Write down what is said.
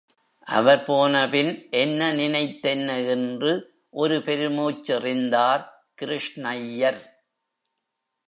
அவர் போனபின், என்ன நினைத்தென்ன என்று ஒரு பெருமூச்செறிந்தார் கிருஷ்ணய்யர்.